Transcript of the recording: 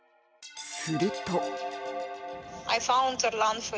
すると。